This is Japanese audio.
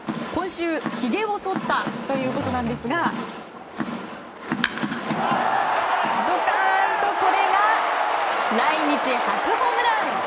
今週、ひげをそったということなんですがドカーン！とこれが来日初ホームラン。